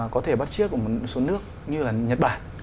có thể bắt chiếc ở một số nước như là nhật bản